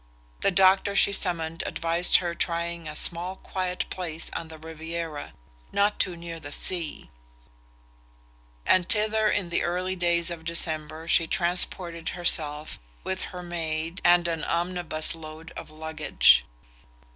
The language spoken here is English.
The doctor she summoned advised her trying a small quiet place on the Riviera, not too near the sea; and thither in the early days of December, she transported herself with her maid and an omnibus load of luggage.